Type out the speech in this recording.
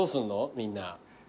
みんな。